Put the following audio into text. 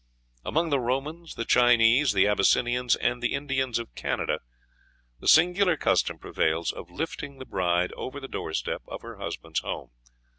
Among the Romans, the Chinese, the Abyssinians, and the Indians of Canada the singular custom prevails of lifting the bride over the door step of her husband's home.